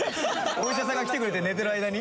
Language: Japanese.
お医者さんが来てくれて寝てる間に？